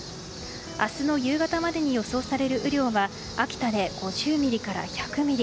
明日の夕方までに予想される雨量は秋田で５０ミリから１００ミリ